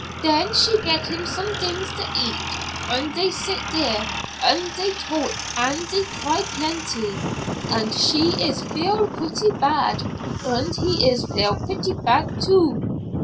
"Den she get him somedings to eat, und dey sit dere, und dey talk, und dey cry plenty, und she is feel putty bad, und he is feel putty bad, too.